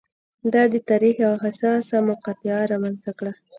دا د تاریخ یوه حساسه مقطعه رامنځته کړه.